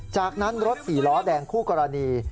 จากนั้นรถสี่ล้อแดงคู่กรณี